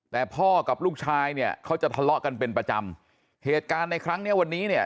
แต่พ่อกับลูกชายเนี่ยเขาจะทะเลาะกันเป็นประจำเหตุการณ์ในครั้งเนี้ยวันนี้เนี่ย